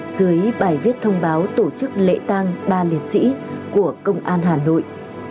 dưới bài viết thông báo tổ chức lễ tang ba liệt sĩ của công an hà nội